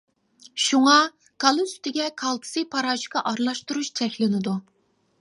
شۇڭا، كالا سۈتىگە كالتسىي پاراشوكى ئارىلاشتۇرۇش چەكلىنىدۇ.